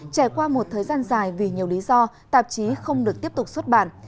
trải qua một thời gian dài vì nhiều lý do tạp chí không được tiếp tục xuất bản